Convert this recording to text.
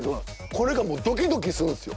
これがもうドキドキするんですよ。